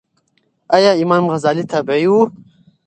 ایا امام غزالې تابعې وه؟